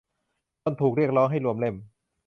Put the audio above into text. จนถูกเรียกร้องให้รวมเล่ม